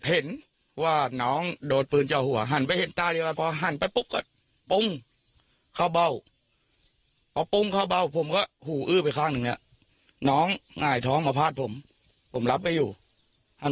เอาลูกสุดออกผมก็กระโดดข้ามน้องไปชาร์จตัวมัน